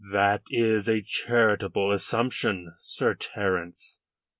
"That is a charitable assumption, Sir Terence."